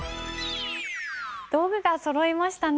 道具がそろいましたね。